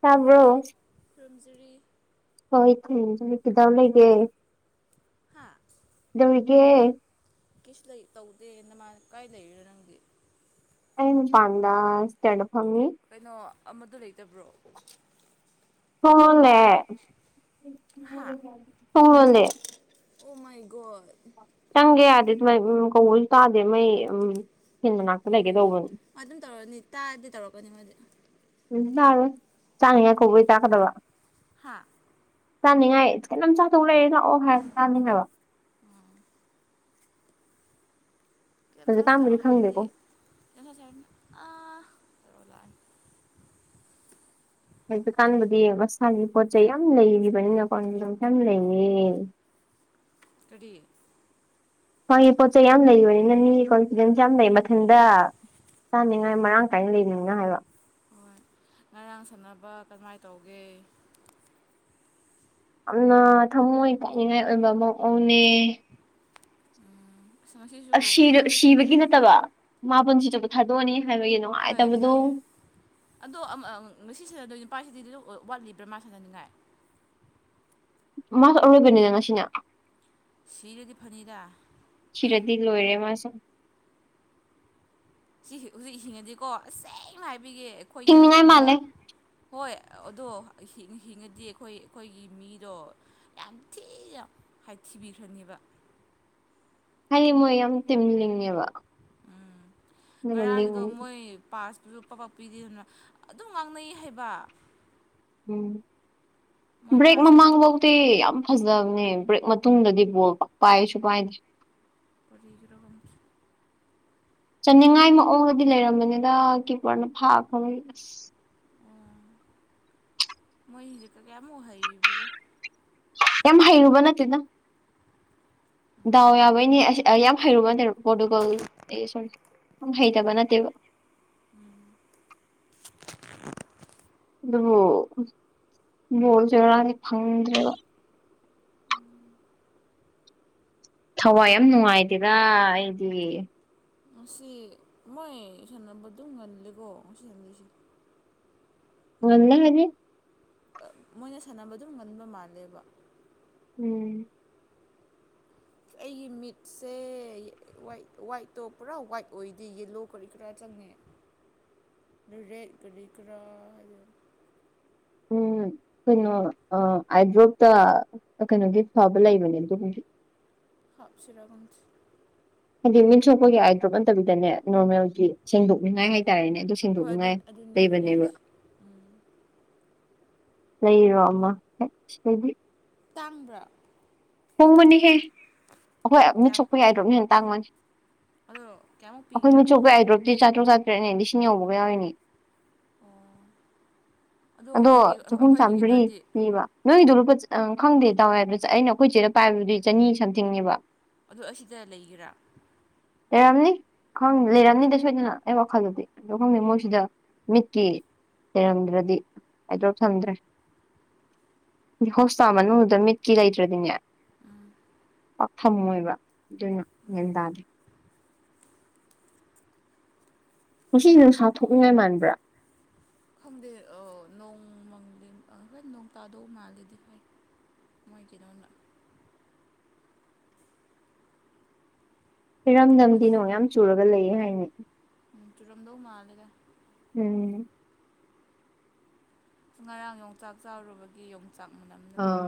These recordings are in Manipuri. ꯇꯕ꯭ꯔꯣ ꯍꯜꯂꯣ ꯈꯨꯔꯨꯝꯖꯔꯤ ꯍꯣꯏ ꯊ ꯀꯗ ꯂꯩꯒ ꯗꯨꯔꯒꯦ ꯀꯤꯁ ꯇꯧꯗꯦꯅ ꯃꯥ ꯀꯥꯏ ꯂꯩꯔꯤꯔꯣ ꯅꯪꯗꯤ ꯑꯩ ꯄꯥꯟꯗ ꯇꯦꯠ ꯐꯃꯤ ꯀꯩꯅꯣ ꯑꯃꯗ ꯂꯩꯇꯕ꯭ꯔꯣ ꯍꯨꯡꯅꯦ ꯍꯨꯡꯅꯦꯦ ꯎꯃꯩꯒꯣꯔ ꯆꯪꯒꯦ ꯌꯥꯔꯦ ꯑꯗꯨꯃꯥꯏꯅ ꯀꯧꯕꯁꯨ ꯇꯥꯗꯦ ꯃꯩ ꯎꯝ ꯐꯦꯟ ꯃꯅꯥꯛꯇ ꯀꯃ ꯂꯩꯒꯦ ꯇꯧꯕꯅꯦ ꯑꯗꯨꯝ ꯇꯧꯔꯅꯤ ꯇꯥꯔꯗꯤ ꯇꯧꯔꯛꯀꯅꯤ ꯃꯣꯏꯗꯤ ꯂꯥꯔꯦ ꯆꯥꯅꯤꯉꯥꯏ ꯀꯧꯕꯩ ꯆꯥꯛꯀꯗꯕ ꯍꯥꯥ ꯆꯥꯅꯤꯡꯉꯥꯏ ꯀꯩꯅꯣꯝ ꯆꯥꯊꯣꯛ ꯂꯩꯔꯦ ꯂꯥꯛꯑꯣ ꯍꯥꯏ ꯆꯥꯅꯤꯡꯉꯥꯏꯕ ꯀꯆꯥꯁꯤ ꯂꯥꯛꯑꯣ ꯍꯥꯏꯔꯗꯤ ꯈꯪꯗꯦꯀꯣ ꯀ ꯆꯅꯤ ꯑꯥ ꯔꯣꯂꯥꯟ ꯍꯧꯖꯤꯀꯥꯟꯕꯨꯗꯤ ꯃꯁꯥꯒꯤ ꯄꯣꯠ ꯆꯩꯩ ꯌꯥꯝ ꯂꯩꯔꯤꯕꯅꯤꯅ ꯀꯣꯁ ꯌꯥꯝ ꯂꯩꯌꯦ ꯀꯔꯤ ꯍꯣꯏꯒꯤ ꯄꯣꯠ ꯆꯩꯩ ꯌꯥꯝ ꯂꯩꯕꯅꯤꯅꯅꯤ ꯀꯣꯟꯐꯤꯗꯦꯟꯁ ꯌꯥꯝ ꯂꯩ ꯃꯊꯟꯗ ꯆꯥꯅꯤꯡꯉꯥꯏ ꯃꯔꯥꯡ ꯀꯥꯏꯅ ꯂꯩꯅꯤꯡꯅ ꯍꯥꯏꯕ ꯍꯣꯏ ꯉꯔꯥꯡ ꯁꯥꯟꯅꯕ ꯀꯃꯥꯏꯅ ꯇꯧꯒꯦ ꯌꯥꯝꯅ ꯊꯃꯣꯏ ꯄꯣꯛꯅꯤꯡꯉꯥꯏ ꯑꯣꯏꯕ ꯃꯑꯣꯡꯅꯦ ꯑꯁ ꯉꯁꯤꯁꯨ ꯑ ꯅꯣꯏ ꯁꯤꯕꯒꯤ ꯅꯠꯇꯕ ꯃꯥꯄꯟꯁꯤꯇꯕꯨ ꯊꯥꯗꯣꯛꯑꯅꯤ ꯍꯥꯏꯕꯒꯤ ꯍꯣꯏ ꯅꯨꯡꯉꯥꯏꯇꯕꯗꯣ ꯈꯪꯒꯦ ꯑꯗꯣ ꯉꯁꯤꯁꯤꯗ ꯑꯗꯨ ꯄꯥꯏꯁꯤꯗꯤ ꯂ ꯋꯥꯠꯂꯤꯕ꯭ꯔꯥ ꯃꯥ ꯁꯥꯟꯅꯅꯤꯡꯉꯥꯏ ꯃꯥꯁꯨ ꯑꯔꯣꯏꯕꯅꯤꯅ ꯉꯁꯤꯅ ꯁꯤꯔꯗꯤ ꯐꯅꯤꯗ ꯁꯤꯔꯗꯤ ꯂꯣꯍꯤꯔꯦ ꯃꯥ ꯎꯝ ꯁꯤ ꯍꯧꯖꯤꯛ ꯍꯤꯡꯉꯗꯤꯀꯣ ꯑꯁꯦꯡꯕ ꯍꯥꯏꯕꯤꯒꯦ ꯑꯩꯈꯣꯏꯅ ꯍꯤꯡꯅꯤꯡꯉꯥꯏ ꯀꯟꯕ ꯃꯥꯜꯂꯦ ꯍꯣꯏ ꯑꯗꯣ ꯍꯤꯡꯉꯗꯤ ꯑꯩꯈꯣꯏ ꯑꯩꯈꯣꯏꯒꯤ ꯃꯤꯗꯣ ꯌꯥꯝ ꯊꯤꯅ ꯊꯤꯟꯕꯤꯈ꯭ꯔꯅꯦꯕ ꯍꯩꯌꯦ ꯃꯣꯏ ꯌꯥꯝ ꯇꯤꯝ ꯂꯤꯡꯉꯦꯕ ꯎꯝ ꯑꯗꯨꯒ ꯂꯤꯡ ꯉꯔꯥꯡꯒꯤꯗꯣ ꯃꯣꯏ ꯄꯥꯁ ꯂꯨꯞ ꯄꯥꯛ ꯄꯥꯛ ꯄꯤꯗꯦꯗꯅ ꯑꯗꯨꯝ ꯉꯥꯡꯅꯩ ꯍꯥꯏꯕ ꯎꯝ ꯃꯣꯏ ꯕ꯭ꯔꯦꯛ ꯄꯥꯁ ꯄꯤ ꯃꯃꯥꯡꯐꯥꯎꯗꯤ ꯌꯥꯝ ꯐꯖꯕꯅꯦ ꯕ꯭ꯔꯦꯛ ꯃꯇꯨꯡꯗꯗꯤ ꯕꯣꯜ ꯄꯥꯛ ꯄꯥꯏꯁꯨ ꯄꯥꯏꯗꯦ [inaudible] [inaudible] ꯆꯟꯅꯤꯡꯉꯥꯏ ꯃꯋꯣꯡꯗꯗꯤ ꯂꯩꯔꯝꯕꯅꯤꯗ ꯀꯤꯞꯄꯔꯅ ꯐꯥ ꯈꯤꯕꯅꯦ ꯑꯁ ꯑꯣ ꯃꯣꯏ ꯍꯧꯖꯤꯛꯀ ꯀꯌꯥꯃꯨꯛ ꯍꯩꯕꯒꯣ ꯌꯥꯝ ꯍꯩꯔꯨꯕꯅꯠꯇꯦꯗ ꯗꯥꯎ ꯌꯥꯕꯩꯅꯦ ꯑꯁ ꯌꯥꯝ ꯍꯩꯔꯨꯕꯅꯠꯇꯦ ꯄꯣꯔꯇꯨꯒꯜ ꯁꯣꯔꯤ ꯌꯥꯝ ꯍꯩꯇꯕ ꯅꯠꯇꯦꯕ [inaudible] ꯑꯗꯨꯕꯨ ꯕꯣꯜꯁꯤꯉꯔꯥꯡꯗꯤ ꯐꯪꯗ꯭ꯔꯦꯕ ꯊꯋꯥꯏ ꯌꯥꯝ ꯅꯨꯡꯉꯥꯏꯗꯦꯗ ꯑꯩꯗꯤ ꯉꯁꯤ ꯃꯣꯏ ꯁꯥꯟꯅꯕꯗꯨꯝ ꯉꯜꯂꯦꯀꯣ ꯉꯁꯤ ꯁꯥꯟꯗꯣꯏꯁꯦ ꯉꯜꯂꯦ ꯍꯥꯏꯗꯤ ꯃꯣꯏꯅ ꯁꯥꯟꯅꯕ ꯑꯗꯨꯝ ꯉꯟꯕ ꯃꯥꯜꯂꯦꯕ ꯎꯝ ꯑꯩꯒꯤ ꯃꯤꯠꯁꯦ ꯋꯥꯏꯠꯇꯣ ꯄꯨꯔꯥ ꯋꯥ꯭ꯏꯠ ꯑꯣꯏꯗꯦ ꯌꯦꯂꯣ ꯀꯔꯤ ꯀꯔꯥ ꯆꯪꯉꯦ ꯔꯦꯠ ꯀꯔꯤ ꯀꯔꯥ ꯎꯝ ꯀꯩꯅꯣ ꯑꯥꯏꯗ꯭ꯔꯣꯞꯇ ꯀꯩꯅꯣꯒꯤ ꯐꯕꯥ ꯂꯩꯕꯅꯦ ꯑꯗꯨꯝꯒꯨꯝꯕꯒꯤ ꯍꯥꯞꯁꯤꯔ ꯈꯪꯗꯦ ꯍꯥꯏꯗꯤ ꯃꯤꯠ ꯁꯣꯛꯄꯒꯤ ꯑꯥꯏꯗ꯭ꯔꯣꯞ ꯅꯠꯇꯕꯤꯗꯅꯦ ꯅꯣꯔꯃꯦꯜꯒꯤ ꯁꯦꯡꯗꯣꯛꯅꯤꯡꯉꯥꯏ ꯍꯥꯏ ꯍꯥꯏ ꯇꯔꯦꯅꯦ ꯑꯗꯨ ꯍꯣꯏ ꯑꯗꯨ ꯁꯦꯡꯗꯣꯛꯅꯤꯡꯉꯥꯏ ꯑꯗꯨꯅꯤ ꯑꯗꯨꯅꯦ ꯂꯩꯕꯅꯦꯕ ꯍꯥꯏꯁꯦ ꯎꯝ ꯂꯩꯩꯔꯣ ꯑꯃ ꯇꯥꯡꯕ꯭ꯔꯥ ꯍꯣꯡꯕꯅꯤꯍꯦ ꯑꯩꯈꯣꯏ ꯃꯤꯠ ꯀꯌꯥꯝ ꯁꯣꯛꯄꯒꯤ ꯑꯥꯏꯗ꯭ꯔꯣꯞꯅ ꯍꯦꯟꯅ ꯇꯥꯡꯕꯅꯤ ꯑꯗꯣ ꯀꯌꯥꯃꯨꯛ ꯑꯩꯈꯣꯏ ꯄꯤꯒꯦꯔꯥ ꯃꯤꯠ ꯁꯣꯛꯄꯒꯤ ꯑꯥꯏꯗ꯭ꯔꯣꯞꯇꯤ ꯆꯥꯇ꯭ꯔꯨꯛ ꯆꯥꯇ꯭ꯔꯦꯠꯅꯦ ꯂꯤꯁꯤꯡ ꯌꯧꯕꯒ ꯌꯥꯎꯔꯤꯅꯦ ꯑꯣ ꯑꯗꯣ ꯍꯧꯖꯤꯛꯀꯤ ꯆꯍꯨꯝ ꯑꯩꯈꯣꯏꯒꯤ ꯆꯥꯝꯃꯔꯤ ꯀꯩꯅꯣꯗꯤ ꯄꯤꯕ ꯅꯣꯏꯗꯣ ꯂꯨꯄꯥ ꯑ ꯈꯪꯗꯦ ꯇꯧꯋꯦ ꯑ ꯑꯩꯅ ꯑꯩꯈꯣꯏ ꯆꯦꯅ ꯄꯥꯏꯕꯗꯨꯗꯤ ꯆꯅꯤ ꯁꯝꯊꯤꯡꯅꯦꯕ ꯑꯗꯨ ꯑꯁꯤꯗ ꯂꯩꯒꯦꯔꯥ ꯂꯩꯔꯝꯅꯤ ꯪ ꯂꯩꯔꯝꯅꯤꯗ ꯁꯣꯏꯗꯅ ꯑꯩ ꯋꯥꯈꯜꯗꯗꯤ ꯑꯗꯨ ꯈꯪꯗꯦ ꯃꯣꯏꯁꯤꯗ ꯃꯤꯠꯀꯤ ꯂꯩꯔꯝꯗ꯭ꯔꯗꯤ ꯑꯥꯏꯗꯣꯞ ꯊꯝꯗ꯭ꯔꯦ ꯍꯣꯁꯄꯤꯇꯥꯜ ꯃꯅꯨꯡꯗ ꯃꯤꯠꯀꯤ ꯂꯩ ꯭ꯇꯔꯗꯤꯅꯦ ꯄꯥꯛꯐꯡꯉꯣꯏꯕ ꯑꯗꯨꯅ ꯃ꯭ꯦꯟ ꯇꯥꯗꯦ ꯉꯁꯤ ꯅꯨꯡꯁꯥ ꯊꯣꯛꯅꯤꯡꯉꯥꯏ ꯃꯥꯟꯕ꯭ꯔꯥ ꯈꯪꯗꯦ ꯑ ꯅꯣꯡ ꯍꯣꯏ ꯅꯣꯡ ꯇꯥꯗꯧ ꯃꯥꯜꯂꯤꯗ ꯍꯣꯏ ꯃꯣꯏꯒꯤꯗꯧꯅ ꯏꯔꯝꯗꯝꯗꯤ ꯅꯣꯡ ꯌꯥꯝ ꯆꯨꯔꯒ ꯂꯩꯌꯦ ꯍꯥꯏꯅꯦ ꯎꯝ ꯆꯨꯔꯝꯗꯧ ꯃꯥꯜꯂꯦꯗ ꯎꯝ ꯉꯔꯥꯡ ꯌꯣꯡꯆꯥꯛ ꯆꯔꯨꯕꯒꯤ ꯌꯣꯡꯆꯥꯛ ꯅꯨ ꯑꯥ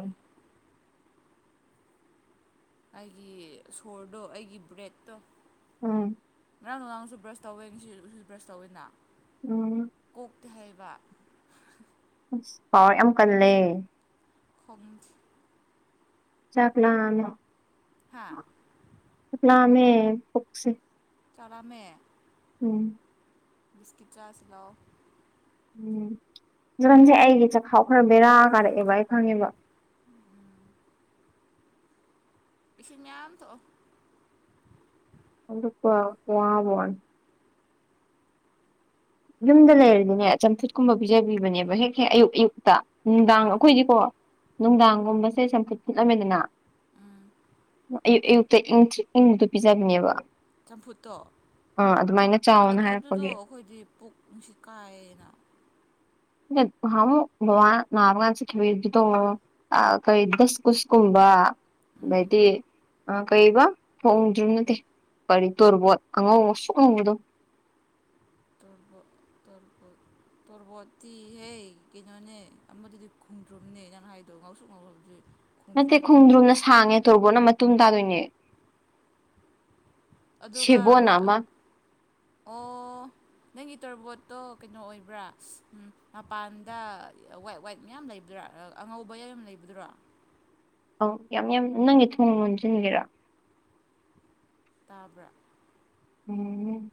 ꯑꯩꯒꯤ ꯁꯣꯔꯗꯣ ꯑꯩꯒꯤ ꯕ꯭ꯔꯦꯠꯇꯣ ꯎꯝ ꯉꯔꯥꯡ ꯅꯔꯥꯡꯁꯨ ꯕ꯭ꯔꯁ ꯇꯧꯋꯦ ꯁꯤ ꯎꯁꯨ ꯕ꯭ꯔꯁ ꯇꯧꯋꯦꯅ ꯎꯝ ꯇ ꯍꯥꯏꯩꯕ ꯍꯥꯎ ꯌꯥꯝ ꯀꯜꯂꯦ ꯈꯣꯡ ꯆꯥꯄꯤꯂ ꯑꯃ ꯍꯥꯥ ꯄꯁꯤ ꯆꯠꯔꯝꯃꯦ ꯎꯝ ꯕꯤꯁꯀꯤꯠ ꯆꯥꯁ ꯂꯑꯣ ꯎꯝ ꯖꯒꯟꯁꯦ ꯑꯩꯒꯤ ꯆꯈꯥꯎ ꯈꯔ ꯕꯦꯔꯥ ꯀꯥꯔꯛꯑꯦꯕ ꯑꯩ ꯈꯪꯉꯦꯕ ꯄꯁꯤ ꯌꯥ ꯇꯣ ꯑ ꯄ ꯐ ꯐꯟ ꯌꯨꯝꯗ ꯂꯩꯔꯗꯤꯅꯦ ꯆꯝꯐꯨꯠꯀꯨꯝꯕ ꯄꯤꯖꯕꯤꯕꯅꯦꯕ ꯍꯦꯛ ꯍꯦꯛ ꯑꯌꯨꯛ ꯑꯌꯨꯛꯇ ꯅꯨꯡꯗꯥꯡ ꯑꯩꯈꯣꯏꯗꯤꯀꯣ ꯅꯨꯡꯗꯥꯡꯒꯨꯝꯕꯁꯦ ꯆꯝꯐꯨꯠ ꯐꯨꯠꯂꯝꯃꯦꯗꯅ ꯎꯝ ꯑꯌꯨꯛ ꯑꯌꯨꯛꯇ ꯏꯪꯗ ꯄꯤꯖꯕꯅꯦꯕ ꯆꯝꯐꯨꯠꯇꯣ ꯑꯥ ꯑꯗꯨꯃꯥꯏꯅ ꯆꯥꯎꯅ ꯑꯗꯨꯗꯣ ꯍꯥꯏꯔꯛꯄꯒꯤ ꯑꯩꯈꯣꯏꯗꯤ ꯄꯨꯛ ꯉꯖꯤ ꯀꯥꯏꯅ ꯃ ꯅꯔꯒꯥꯁꯤ ꯀꯋꯗ ꯇ ꯀꯣꯏꯗꯁ ꯀꯨꯁ ꯀꯨꯝꯕ ꯎꯝ ꯦꯇꯤ ꯑ ꯀꯩꯔꯤꯕ ꯍꯣꯡꯗ꯭ꯔꯔꯤ ꯅꯠꯇꯦ ꯀꯔꯤ ꯇꯧꯔꯕꯣꯠ ꯑꯉꯧꯕ ꯁꯨ ꯍꯣꯡꯉꯗꯧ ꯇꯨꯔꯕ ꯇ ꯇꯣꯔꯕꯣꯠꯇꯤꯍꯦ ꯀꯩꯅꯣꯅꯦ ꯑꯃꯗꯗꯤ ꯈꯨꯝꯗ꯭ꯔꯕꯅꯦ ꯅꯅ ꯍꯥꯏꯗꯣ ꯉꯥꯎꯁꯨ ꯉꯥꯎꯈ꯭ꯔꯕꯗꯨꯗꯤ ꯅꯠꯇꯦ ꯈꯣꯡꯗ꯭ꯔꯨꯝꯅ ꯁꯥꯡꯉꯦ ꯇꯣꯔꯕꯣꯠꯅ ꯃꯇꯨꯡꯨꯝ ꯇꯥꯗꯣꯏꯅꯦ ꯑꯗꯨꯒ ꯁꯦꯕꯣꯠꯅ ꯑꯃ ꯑꯣ ꯅꯪꯒꯤ ꯇꯣꯔꯔꯕꯣꯠ ꯀꯩꯅꯣ ꯑꯣꯏꯕ꯭ꯔꯥ ꯃꯄꯥꯟꯗ ꯋꯥꯏꯠ ꯋꯥꯏꯠ ꯃꯌꯥꯝ ꯂꯩꯕꯗ꯭ꯔꯥ ꯑꯉꯧꯕ ꯀꯝ ꯂꯩꯕꯗꯨꯔꯣ ꯑꯧ ꯌꯥꯝ ꯌꯥꯝ ꯅꯪꯒꯤ ꯊꯣꯡ ꯂꯣꯟꯁꯤꯟꯒꯦꯔꯥ ꯇꯥꯕ꯭ꯔ ꯎꯝ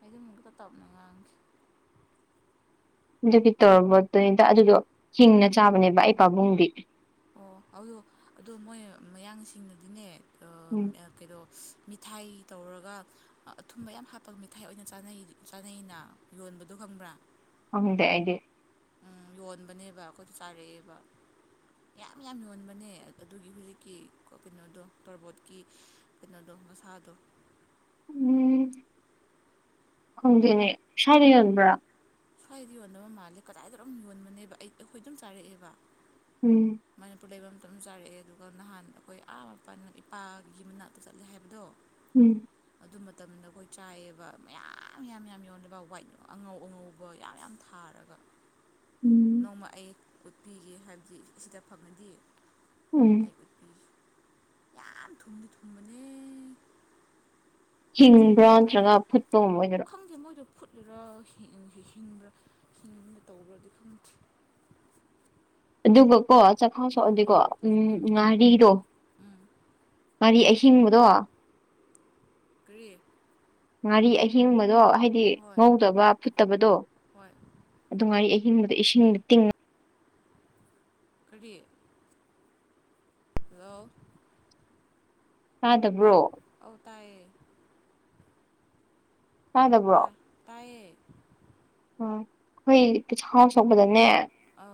ꯑꯩꯗꯨꯃꯒꯛꯇ ꯇꯞꯅꯉꯥꯡꯁꯦ ꯑꯗꯨꯒꯤ ꯇꯧ ꯄꯣꯠꯇꯨꯅꯤꯗ ꯑꯗꯨꯗꯣ ꯍꯤꯡꯅ ꯆꯥꯕꯅꯦꯕ ꯑꯩ ꯄꯥꯕꯨꯡꯗꯤ ꯑꯣ ꯑꯗꯨꯗꯣ ꯑꯗꯣ ꯃꯣꯏ ꯃꯌꯥꯡꯁꯤꯡꯅꯗꯤꯅꯦ ꯎꯝ ꯀꯩꯅꯣ ꯃꯤꯊꯥꯏ ꯇꯧꯔꯒ ꯑꯊꯨꯝꯕ ꯌꯥꯝ ꯍꯥꯞꯄꯒ ꯃꯤꯊꯥꯏ ꯑꯣꯏꯅꯩ ꯆꯥꯅꯩꯅ ꯌꯣꯟꯕꯗꯣ ꯈꯪꯕ꯭ꯔꯥ ꯍꯪꯗ ꯑꯩꯗꯤ ꯎꯝ ꯌꯣꯟꯕꯅꯦꯕ ꯑꯩꯈꯣꯏꯗ ꯆꯥꯔꯛꯑꯦꯕ ꯌꯥꯝ ꯌꯥꯝ ꯌꯣꯟꯕꯅꯦ ꯑꯗꯨꯒꯤ ꯍꯧꯖꯤꯛꯀꯤ ꯀꯩꯅꯣꯗꯣ ꯇꯣꯔꯕꯣꯠꯀꯤ ꯀꯩꯅꯣꯗꯣ ꯃꯁꯥꯗꯣ ꯎꯝ ꯈꯪꯗꯦꯅꯦ ꯁꯥꯔ ꯌꯣꯟꯕ꯭ꯔꯥ ꯁ꯭ꯋꯥꯏꯗꯤ ꯌꯣꯟꯕ ꯃꯥꯜꯂꯦ ꯀꯗꯥꯏꯗꯔꯣꯝ ꯌꯣꯟꯕꯅꯦꯕ ꯑꯩ ꯑꯩꯈꯣꯏ ꯑꯗꯨꯝ ꯆꯥꯔꯛꯑꯦꯕ ꯎꯝ ꯃꯅꯤꯄꯨꯔ ꯂꯩꯕ ꯃꯇꯝ ꯆꯥꯔꯛꯑꯦ ꯑꯗꯨꯒ ꯅꯍꯥꯟ ꯑꯩꯈꯣꯏ ꯑꯥ ꯑꯄꯥ ꯏꯄꯥꯒꯤ ꯃꯅꯥꯛꯇ ꯆꯠꯂꯦ ꯍꯥꯏꯕꯗꯣ ꯎꯝ ꯑꯗꯨ ꯃꯇꯝꯗ ꯑꯩꯈꯣꯏ ꯆꯥꯏꯑꯕ ꯃꯌꯥꯝ ꯌꯥꯝ ꯌꯥꯝꯌꯥꯝ ꯌꯧꯅꯕ ꯋꯥꯏꯠ ꯑꯉꯧ ꯑꯉꯧꯕ ꯕꯣ ꯌꯥꯝ ꯌꯥꯝ ꯊꯥꯔꯒ ꯎꯝ ꯅꯣꯡꯃ ꯑꯩ ꯎꯠꯄꯤꯒꯦ ꯍꯥꯏꯕꯗꯤ ꯑꯁꯤꯗ ꯐꯪꯅꯗꯤ ꯎꯝ ꯌꯥꯝ ꯊꯨꯝꯗꯤ ꯊꯨꯝꯕꯅꯦ ꯃꯣꯏꯅ ꯆꯤꯅꯤ ꯍꯤꯡꯕ꯭ꯔꯥ ꯅꯠꯇ꯭ꯔꯒ ꯐꯨꯠꯄꯒꯨꯝꯕ ꯑꯣꯏꯗꯣꯏꯔꯥ ꯐꯨꯠꯂꯨꯔꯥ ꯍꯤꯡꯕ꯭ꯔꯥ ꯍꯤꯡꯅ ꯇꯧꯕ꯭ꯔꯗꯤ ꯈꯪꯗ꯭ꯦ ꯑꯗꯨꯒ ꯀꯣ ꯆꯈꯥꯎ ꯁꯣꯛꯑꯗꯤꯀꯣ ꯎꯝ ꯉꯥꯔꯤꯗꯣ ꯎꯝ ꯃꯔꯤ ꯑꯍꯤꯡꯕꯗꯣ ꯀꯦ ꯉꯥꯔꯤ ꯑꯍꯤꯡꯕꯗꯣ ꯍꯥꯏꯗꯤ ꯉꯧꯗꯕ ꯐꯨꯠꯇꯕꯗꯣ ꯍꯣꯏ ꯑꯗꯨ ꯉꯥꯔꯤ ꯑꯍꯤꯡ ꯤꯡ ꯏꯁꯤꯡ ꯇꯤꯡ ꯀ ꯍꯜꯂꯣ ꯇꯥꯛ ꯇꯥꯗꯕ꯭ꯔꯣ ꯑꯇꯥꯥꯏꯌꯦ ꯇꯥꯗꯕ꯭ꯔꯣ ꯇ ꯇꯥꯏꯌꯦ ꯑꯣ ꯑꯩꯈꯣꯏꯆꯍꯥꯎ ꯁꯄꯗꯅꯦ ꯑ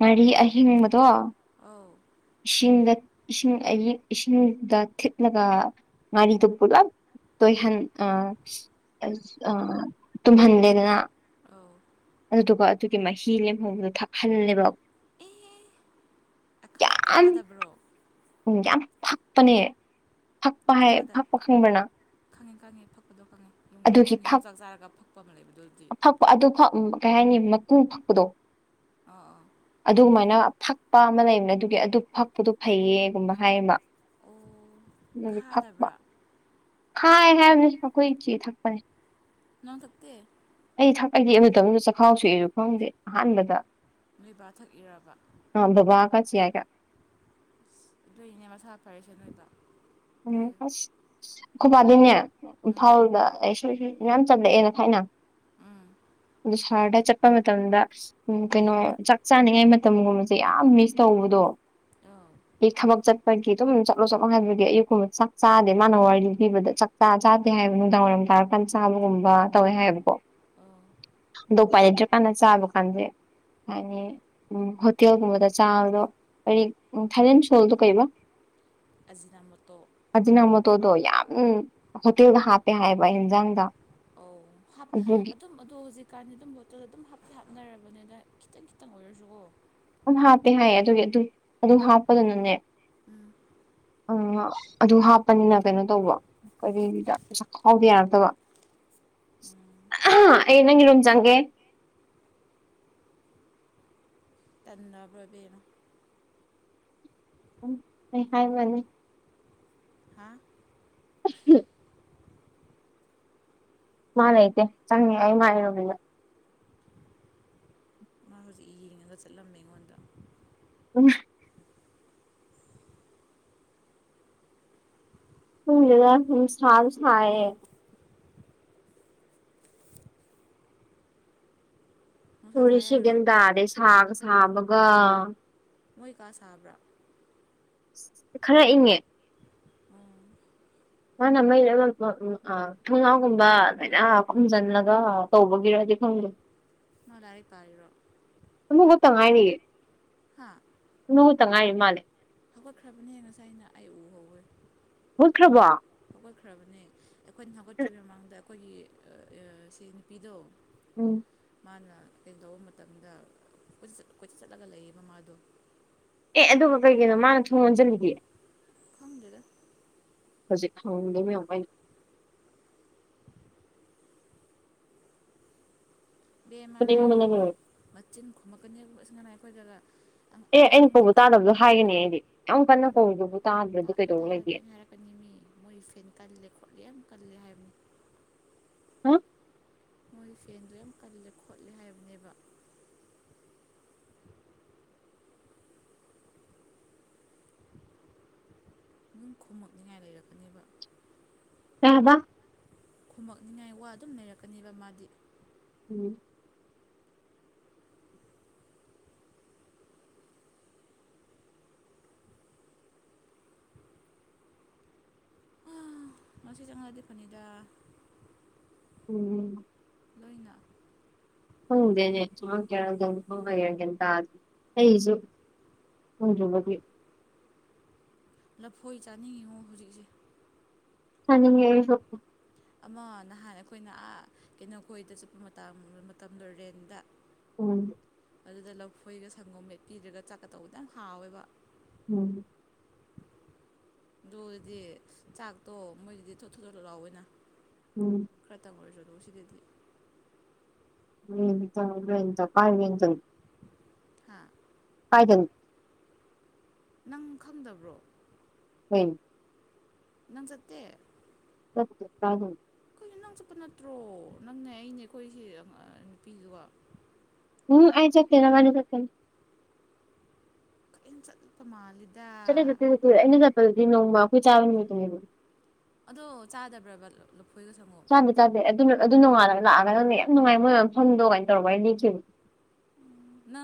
ꯃꯔꯤ ꯑꯍꯤꯡꯕꯗꯣ ꯑꯧ ꯏꯁꯤꯡꯗ ꯏꯁꯤꯡ ꯑ ꯏꯁꯤꯡꯗ ꯊꯤꯠꯂꯒ ꯉꯥꯔꯤꯗꯣ ꯄꯨꯂꯞ ꯇꯍꯟ ꯑ ꯑ ꯇꯨꯝꯍꯟꯗꯦꯅ ꯑꯧ ꯑꯗꯨꯗꯨꯒ ꯑꯗꯨꯒꯤ ꯃꯍꯤ ꯂꯦꯝꯍꯣꯡꯧꯕꯗꯣ ꯊꯛꯍꯜꯂꯦꯕ ꯑꯦꯍꯦ ꯈꯥꯗꯕ꯭ꯔꯣ ꯎꯝ ꯌꯥꯝ ꯐꯛꯄꯅꯦ ꯐꯛꯄ ꯍꯥꯏ ꯈꯥꯗ ꯐꯛꯄ ꯈꯪꯕ꯭ꯔꯅ ꯈꯪꯉꯦ ꯈꯪꯉꯤ ꯐꯛꯄꯗꯣ ꯈꯪꯉꯦ ꯍꯣꯟ ꯐꯛ ꯌꯣꯡꯆꯥꯛ ꯆꯥꯔꯒ ꯐꯛꯄ ꯑꯃ ꯂꯩꯕꯗꯨꯗꯤ ꯃꯄꯨꯡ ꯐꯛꯄꯗꯣ ꯑꯥ ꯑꯥ ꯑꯗꯨꯃꯥꯏꯅ ꯊꯛꯄ ꯑꯃ ꯂꯩꯕꯅꯦ ꯑꯗꯨꯒꯤ ꯑꯗꯨ ꯐꯛꯄꯗꯨꯣ ꯐꯩꯌꯦꯒꯨꯝꯕ ꯍꯥꯏꯌꯦꯃ ꯑꯣ ꯗꯒꯤ ꯊꯛꯄ ꯈꯥꯗꯕ꯭ꯔꯥ ꯍꯥꯏ ꯍꯥꯏꯕꯅꯤ ꯑꯩꯈꯣꯏ ꯆꯦ ꯊꯛꯄꯅꯦ ꯅꯅꯥꯪ ꯁꯛꯇ ꯑꯩ ꯊꯥꯛ ꯑꯩꯗꯤ ꯑꯃꯇ ꯑꯃꯗ ꯆꯈꯥꯎ ꯁꯣꯛꯑꯁꯨ ꯈꯪꯗꯦ ꯑꯍꯥꯟꯕꯗ ꯅꯣꯏ ꯕꯥ ꯑ ꯕꯥ ꯀ ꯆꯌꯥꯏ ꯀ ꯗꯅ ꯃ ꯁꯥꯞ ꯐꯔꯁꯗ ꯎꯝꯁ ꯈꯨꯄꯥꯗꯤꯅꯦ ꯎꯝ ꯏꯝꯐꯥꯎꯜꯗ ꯃꯌꯥꯝ ꯆꯝꯂꯛꯑꯦꯅ ꯊꯥꯏꯅ ꯎꯝ ꯑꯗꯨꯗ ꯁꯍꯔꯗ ꯆꯠꯄ ꯃꯇꯝꯗ ꯎ ꯀꯩꯅꯣ ꯆꯥꯛ ꯆꯥꯅꯤꯡꯉꯥꯏ ꯃꯇꯝꯒꯨꯝꯕꯁꯦ ꯌꯥꯝ ꯃꯤꯁ ꯇꯧꯕꯗꯣ ꯑꯧ ꯑꯩ ꯊꯕꯛ ꯆꯠꯄꯒꯤ ꯑꯗꯨꯝ ꯆꯠꯂꯣ ꯆꯠꯂꯣ ꯍꯥꯏꯟꯕꯒꯤ ꯑꯌꯨꯛ ꯆꯥꯛ ꯆꯥꯗꯦ ꯃꯥꯅ ꯋꯥꯔꯤ ꯂꯤ ꯂꯤꯕꯗ ꯆꯥꯛ ꯆ ꯆꯥꯗꯦ ꯍꯥꯏꯕ ꯅꯨꯡꯗꯥꯡ ꯋꯥꯏꯔꯝ ꯇꯥꯔꯀꯥꯟ ꯆꯥꯕꯒꯨꯝꯕ ꯇꯧꯋꯦ ꯍꯥꯏꯕꯀꯣ ꯑꯣ ꯑꯗꯣ ꯄꯥꯏ ꯂꯩꯇ꯭ꯔ ꯀꯥꯟꯅ ꯆꯥꯕ ꯀꯥꯟꯁꯦ ꯍꯥꯏꯅꯤ ꯎ ꯍꯣꯇꯦꯜꯒꯨꯝꯕꯗ ꯆꯥꯕꯗꯣ ꯔꯤ ꯎ ꯊꯥꯏꯦꯟ ꯁꯣꯜꯗ ꯀꯩꯕ ꯑꯖꯤꯅ ꯃꯇꯣ ꯍꯣꯇꯣꯗꯣ ꯌꯥꯝ ꯍꯣꯇꯦꯜꯗ ꯍꯥꯞꯄꯦ ꯍꯥꯏꯕ ꯌꯦꯟꯖꯥꯡꯗ ꯑꯣꯞ ꯑꯗꯨꯝ ꯑꯗꯣ ꯍꯧꯖꯤꯛꯀꯥꯟꯗꯤ ꯑꯗꯨꯝ ꯕꯣꯇꯜ ꯑꯗꯨꯝ ꯍꯥꯞꯇꯤ ꯍꯥꯞꯅꯔꯕꯅꯦ ꯑꯗ ꯈꯤꯇꯪ ꯈꯤꯇꯪ ꯑꯣꯏꯔꯁꯨꯀꯣ ꯑꯗꯨꯝ ꯍꯥꯞꯄꯦ ꯍꯥꯏꯌꯦ ꯑꯗꯨꯒꯤ ꯑꯗꯨ ꯑꯗꯨꯝ ꯍꯥꯞꯄꯗꯨꯅꯅꯦ ꯎꯝ ꯑꯗꯨ ꯍꯥꯞꯄꯅꯤꯅ ꯀꯩꯅꯣ ꯇꯧꯕ ꯀꯔꯤꯗ ꯄꯩꯁꯥ ꯈꯥꯎꯗ ꯌꯥꯔꯛꯇꯕ ꯎꯝ ꯑꯩ ꯅꯪꯒꯤ ꯂꯨꯝ ꯆꯪꯒꯦ [unintelligible] ꯇꯟꯅꯕ꯭ꯔꯚꯅ ꯎꯝ ꯑꯩ ꯍꯥꯏꯕꯅꯤ ꯍꯥ [unintelligible] ꯃꯥꯂ ꯏꯇꯦ ꯆꯥꯡꯅꯤ ꯍꯥꯏꯏ ꯃꯥꯥꯏꯔꯣꯃꯤꯗ ꯇꯤꯡꯉꯒ ꯆꯠꯂꯝꯃꯦ ꯑꯩꯉꯣꯟꯗ ꯎꯝ ꯍꯨꯡꯂꯗ ꯍꯁꯥꯁ ꯅꯨꯡꯁꯥ ꯄꯨꯔꯤ ꯁꯥꯏ ꯍꯥꯏꯔꯣ ꯁꯤꯒꯟꯗꯥꯗ ꯁꯥꯒ ꯁꯥꯕꯒ ꯃꯣꯏ ꯀꯥ ꯁꯥꯕ꯭ꯔꯥ ꯈ ꯏꯉꯦ ꯑꯣ ꯃꯥꯅ ꯃꯩꯔ ꯎ ꯊꯣꯡꯅꯥꯥꯎꯒꯨꯝꯕ ꯑꯗꯨꯃꯥꯏꯅ ꯈꯨꯝꯖꯤꯜꯂꯒ ꯇꯧꯕꯒꯤꯔꯗꯤ ꯐꯥꯡꯒ ꯅ ꯂꯔ ꯄꯔꯔꯣ ꯇꯉꯥꯏꯅꯤꯦ ꯍꯥꯥ ꯇꯪ ꯉꯥꯏ ꯃꯥꯂꯦ ꯍꯧꯒꯠꯈ꯭ꯔꯕꯅꯦ ꯍꯦ ꯉꯁꯥꯏ ꯑꯩꯅ ꯑꯩ ꯎ ꯍꯧꯋꯦ ꯍꯈ꯭ꯔꯕꯣ ꯍꯧꯒꯠꯈ꯭ꯔꯕꯅꯦ ꯑꯩꯈꯣꯏꯅ ꯍꯧꯒꯠꯇ꯭ꯔꯤꯉꯩ ꯃꯃꯥꯡꯗ ꯑꯩꯈꯣꯏꯒꯤ ꯁꯤ ꯅꯨꯄꯤꯗꯣ ꯎꯝ ꯃꯥꯅ ꯀꯩ ꯂꯧꯕ ꯃꯇꯝꯗꯠ ꯀꯣꯏꯆꯠ ꯆꯠꯂꯒ ꯂꯩꯌꯦ ꯃ ꯃꯥꯥꯗꯣ ꯑꯦ ꯑꯗꯨꯒ ꯀꯩꯒꯤꯅꯣ ꯃꯥꯅ ꯊꯨꯝ ꯑꯣꯣꯟꯁꯤꯜꯂꯤꯗꯤꯦ ꯈꯪꯗꯔ ꯍꯧꯖꯤꯛ ꯈꯥꯎꯗ ꯃꯃꯥꯏ ꯕꯦꯝ ꯑꯃ ꯐꯨꯅꯤꯡꯕꯅ ꯍꯥꯏꯔꯨꯔꯅꯨ ꯂꯣꯏꯔꯦ ꯃꯆꯤꯟ ꯈꯨꯝꯝꯃꯛꯀꯅꯤ ꯑꯁꯤ ꯉꯅ ꯑꯩꯈꯣꯏꯗꯒ ꯑꯦ ꯑꯩꯅ ꯑꯉꯥꯡꯗ ꯀꯧꯕ ꯇꯥꯗꯕꯗꯣ ꯍꯥꯏꯒꯅꯤ ꯑꯩꯗꯤ ꯌꯥꯝ ꯀꯟꯅ ꯀꯧꯗꯨꯕꯨ ꯇꯥꯗꯕ ꯑꯩꯅ ꯍꯥꯏꯔꯛꯀꯅꯤ ꯃꯤ ꯃꯣꯏꯒꯤ ꯐꯦꯟ ꯀꯜꯂꯦ ꯈꯣꯠꯂꯦ ꯌꯥꯝ ꯀꯜꯂꯦ ꯍꯥꯏꯕ ꯑ ꯃꯣꯏꯒꯤ ꯐꯦꯟꯗ ꯌꯥꯝ ꯀꯜꯂꯦ ꯈꯣꯠꯂꯦ ꯍꯥꯏꯕꯅꯦꯕ ꯅꯪ ꯈꯨꯝꯃꯛꯅꯤꯡꯉꯥꯏ ꯂꯩꯔꯛꯀꯅꯦꯕ ꯀꯕ ꯈꯃꯛꯅꯤꯉꯥꯏ ꯋꯥ ꯑꯗꯨꯝ ꯂꯩꯔꯛꯀꯅꯦꯕ ꯃꯥꯗꯤ ꯎꯝ ꯉꯁꯤ ꯆꯉꯥꯗꯤ ꯐꯅꯤꯗ ꯎꯝ- ꯂꯣꯏꯅ ꯍꯪꯗꯦꯅꯦ ꯆꯨꯝꯃꯀꯦꯔꯒꯦ ꯊꯣꯡꯉꯒꯒꯦꯅ ꯇꯥꯗꯤ ꯑꯩꯁꯨ ꯍꯖꯕꯦ [unintelligible] ꯂꯐꯣꯏ ꯆꯥꯅꯤꯡꯉꯤꯉꯣ ꯍꯧꯖꯤꯛꯁꯦ ꯆꯥꯅꯤꯡꯑꯥ ꯑꯩꯁꯨ ꯑꯃ ꯅꯍꯥꯟ ꯑꯩꯈꯣꯏꯅꯥ ꯀꯩꯅꯣꯈꯣꯏꯗ ꯆꯠꯄ ꯃꯇ ꯃꯇꯝꯗꯣ ꯔꯦꯟꯗ ꯎꯝ ꯑꯗꯨꯗ ꯂꯐꯣꯏꯒ ꯁꯪꯒꯣꯝ ꯃꯦꯠꯄꯤꯗ꯭ꯔꯒ ꯆꯥꯛꯀꯗꯧꯕꯗꯪ ꯍꯥꯎꯋꯦꯕ ꯎꯝ ꯑꯗꯨꯗꯤ ꯆꯥꯛꯇꯣ ꯃꯣꯏꯒꯤꯗꯤ ꯊꯣ ꯊꯣꯣꯂꯨ ꯂꯥꯋꯦꯅ ꯎꯝ ꯈꯔꯇꯪ ꯑꯣꯏꯔꯁꯨ ꯑꯗꯨ ꯁꯤꯗꯗꯤ [unintelligible] ꯍꯥꯥ ꯐꯥꯏꯖ [unintelligible] ꯅꯪ ꯈꯪꯗꯕ꯭ꯔꯣ [unintelligible] ꯅꯪ ꯁꯠꯇꯦ [unintelligible] ꯁꯤ ꯅꯪ ꯆꯠꯄ ꯅꯠꯇ꯭ꯔꯣ ꯅꯪꯅꯦ ꯑꯩꯅꯦ ꯑꯩꯈꯣꯏꯁꯤ ꯅꯨꯄꯤꯗꯨꯒ ꯎꯝ ꯑꯩ ꯆꯠꯇꯦ ꯃꯕꯅꯤ ꯆꯇꯄꯅꯤ ꯀꯟ ꯁꯜꯄ ꯃꯥꯜꯗ ꯆꯠꯠꯇꯦ ꯆꯠꯇꯦ ꯆꯠꯇꯦ ꯑꯩꯅ ꯆꯠꯄꯗꯗꯤ ꯅꯣꯡꯃ ꯑꯩꯈꯣꯏ ꯆꯥꯕ ꯅꯨꯃꯤꯠꯇꯅꯦꯕ ꯑꯗꯣ ꯆꯥꯗꯕ꯭ꯔꯕ ꯂꯐꯣꯏꯗꯣ ꯆꯥꯗꯦ ꯆꯥꯗꯦ ꯑꯗꯨ ꯑꯗꯨ ꯅꯣꯡꯉꯥꯂꯒ ꯂꯥꯛꯑꯒ ꯅꯪꯅ ꯌꯥꯝ ꯅꯨꯡꯉꯥꯏ ꯃꯣꯏ ꯃꯐꯝꯗꯣ ꯀꯃꯥꯏꯅ ꯇꯧꯔꯒ ꯂꯤꯈꯤꯕ ꯅꯪ